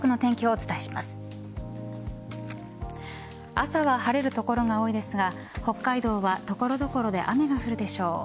朝は晴れる所が多いですが北海道は所々で雨が降るでしょう。